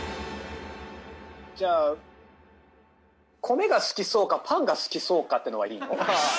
じゃあ米が好きそうかパンが好きそうかってのは。